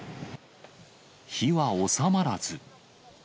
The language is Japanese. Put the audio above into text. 火は収まらず。